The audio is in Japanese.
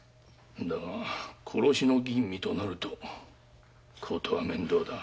だが殺しの吟味となるとことは面倒だ。